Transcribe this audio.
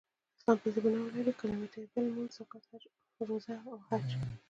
اسلام پنځه بناوې لری : کلمه طیبه ، لمونځ ، زکات ، روژه او حج